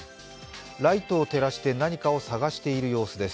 ライトを照らして何かを探している様子です。